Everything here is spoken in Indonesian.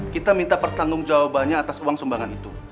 kita minta pertanggung jawabannya atas uang sumbangan itu